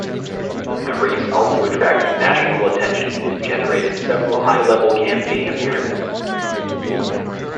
The race also attracted national attention and generated several high-level campaign appearances.